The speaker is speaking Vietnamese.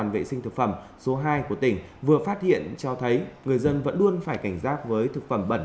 vẫn luôn phải cảnh giác với thực phẩm bẩn